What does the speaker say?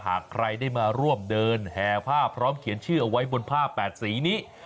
หากใครได้มาร่วมเดินแห่ผ้าพร้อมเขียนชื่อเอาไว้บนผ้า๘สีนี้